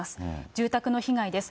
住宅の被害です。